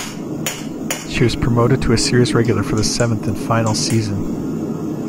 She was promoted to a series regular for the seventh and final season.